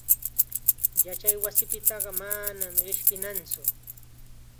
Yachaywasipitaqa manam qishpinatsu.